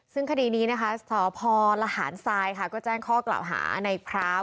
ซึ่งคดีนี้นะคะสพลหารทรายค่ะก็แจ้งข้อกล่าวหาในพร้าว